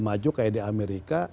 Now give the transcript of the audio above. maju kayak di amerika